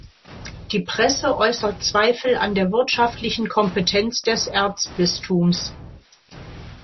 Die Presse äußert Zweifel an der wirtschaftlichen Kompetenz des Erzbistums.